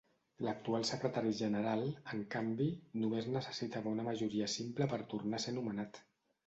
L'actual Secretari General, en canvi, només necessitava una majoria simple per tornar a ser nomenat.